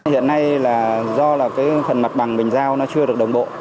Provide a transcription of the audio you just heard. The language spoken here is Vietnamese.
hiện nay do phần mặt bằng mình giao chưa được đồng bộ